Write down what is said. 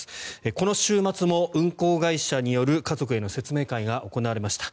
この週末も運航会社による家族への説明会が行われました。